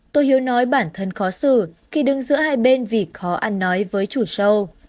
tô hiếu nói bản thân khó xử khi đứng giữa hai bên vì khó ăn nói với chủ show